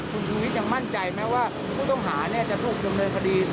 คุณชูวิทย์ยังมั่นใจไหมว่าผู้ต้องหาจะถูกดำเนินคดี